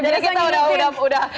jadi kita udah